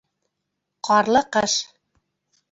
Ҡарлы ҡыш